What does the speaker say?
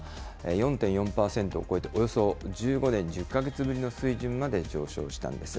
４．４％を超えて、およそ１５年１０か月ぶりの水準まで上昇したんです。